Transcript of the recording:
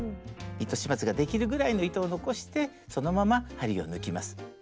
糸始末ができるぐらいの糸を残してそのまま針を抜きます。